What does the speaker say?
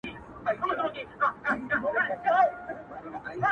o خېشکي، چي ډوډۍ خوري دروازې پېش کي!